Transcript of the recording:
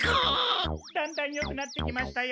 だんだんよくなってきましたよ！